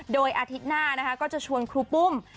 โดยอาทิตย์หน้านะคะก็จะชวนครูปุ้ม